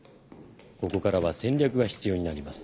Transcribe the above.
ここからは戦略が必要になります。